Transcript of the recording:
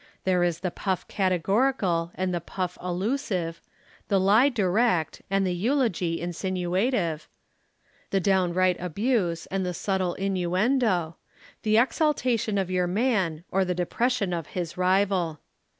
There is the puff categorical and the puff allusive, the lie direct and the eulogy insinuative, the downright abuse and the subtle innuendo, the exaltation of your man or the depression of his rival.